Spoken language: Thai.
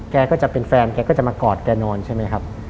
แกก็จะเป็นแฟนแกก็จะมากอดแกนอนใช่ไหมครับ